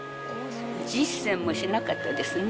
１０銭もしなかったですね。